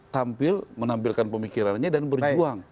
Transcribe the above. tampil menampilkan pemikirannya dan berjuang